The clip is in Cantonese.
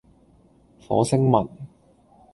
火星文